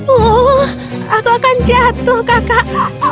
uh aku akan jatuh kakak